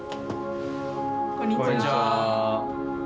こんにちは。